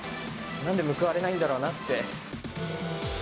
なんで報われないんだろうなって。